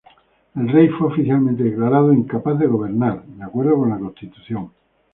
El Rey fue oficialmente declarado "incapaz de gobernar" de acuerdo con la Constitución.